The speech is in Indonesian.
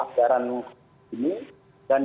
anggaran ini dan